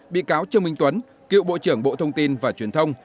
bị cáo trương minh tuấn cựu bộ trưởng bộ thông tin và truyền thông